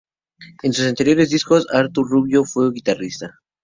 En sus anteriores discos Aitor Rubio fue guitarrista.